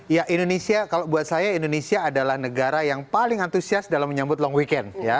ya indonesia kalau buat saya indonesia adalah negara yang paling antusias dalam menyambut long weekend